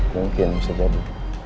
mungkin bisa jadi